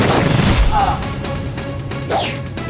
aku sangat berhampir